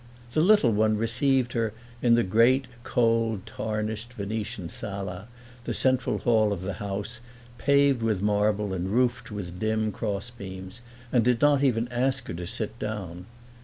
The "little one" received her in the great cold, tarnished Venetian sala, the central hall of the house, paved with marble and roofed with dim crossbeams, and did not even ask her to sit down.